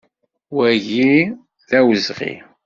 Wagi d awezɣi!